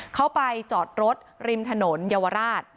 เขาไปจอดรถริมถนนเยาวราช